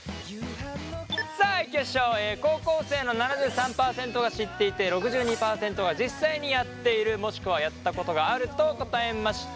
さあいきましょう高校生の７３％が知っていて６２％が実際にやっているもしくはやったことがあると答えました。